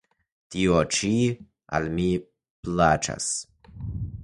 Tio ĉi al mi plaĉas!